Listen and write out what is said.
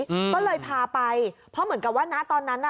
อืมก็เลยพาไปเพราะเหมือนกับว่านะตอนนั้นน่ะ